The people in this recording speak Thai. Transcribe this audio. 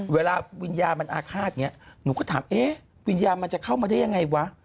เวลาวิญญาณมันอาฆาตอย่างนี้หนูก็ถามเอ๊ะวิญญาณมันจะเข้ามาได้ยังไงวะ